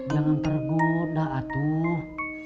jangan tergoda atuh